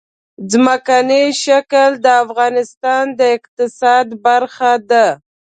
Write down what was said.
ځمکنی شکل د افغانستان د اقتصاد برخه ده.